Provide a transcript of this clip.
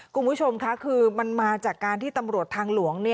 คุณผู้ชมค่ะคือมันมาจากการที่ตำรวจทางหลวง